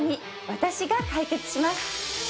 私が解決します